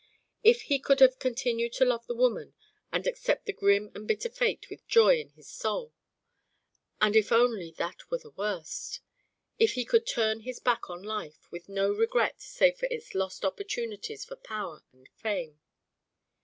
If he could but have continued to love the woman and accept the grim and bitter fate with joy in his soul! And if only that were the worst! If he could turn his back on life with no regret save for its lost opportunities for power and fame.